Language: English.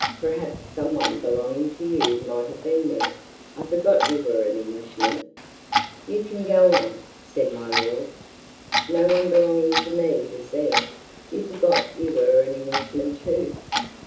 "Perhaps some one belonging to you might have been there. I forgot you were an Englishman." "You can go on," said my lord. "No one belonging to me was there. You forgot you were an Englishman, too."